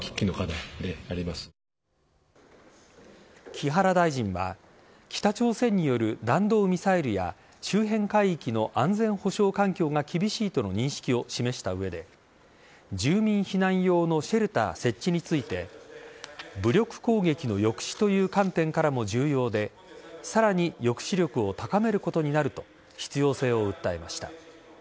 木原大臣は北朝鮮による弾道ミサイルや周辺海域の安全保障環境が厳しいとの認識を示した上で住民避難用のシェルター設置について武力攻撃の抑止という観点からも重要でさらに抑止力を高めることになると必要性を訴えました。